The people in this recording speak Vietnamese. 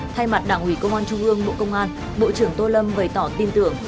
thay mặt đảng ủy công an trung ương bộ công an bộ trưởng tô lâm bày tỏ tin tưởng